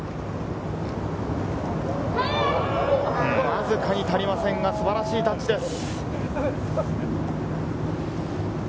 わずかに足りませんが素晴らしいタッチです。